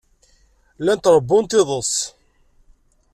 Llant ṛewwunt iḍes.